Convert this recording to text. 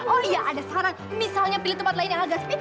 oh iya ada saran misalnya pilih tempat lain yang agak spirit